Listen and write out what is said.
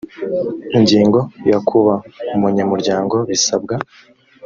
ingingo ya kuba umunyamuryango bisabwa